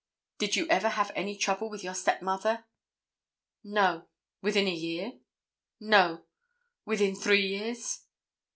"Did you ever have any trouble with your stepmother?" "No." "Within a year?" "No." "Within three years?"